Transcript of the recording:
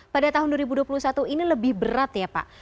pada tahun dua ribu dua puluh satu ini lebih berat ya pak